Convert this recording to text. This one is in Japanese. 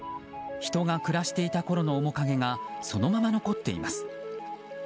人が暮らしていたころの面影がそのまま残っています。